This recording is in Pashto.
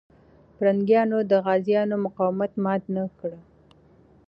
پرنګیانو د غازيانو مقاومت مات نه کړ.